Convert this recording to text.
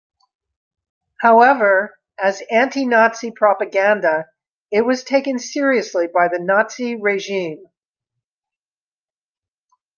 However, as anti-Nazi propaganda it was taken seriously by the Nazi regime.